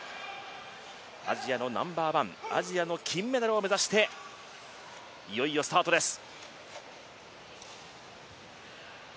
アジアのナンバーワンアジアの金メダルを目指していよいよスタートです。